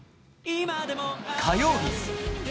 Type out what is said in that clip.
火曜日。